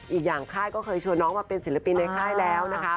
อีกอย่างค่ายก็เคยชวนน้องมาเป็นศิลปินในค่ายแล้วนะคะ